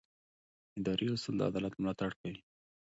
اداري اصول د عدالت ملاتړ کوي.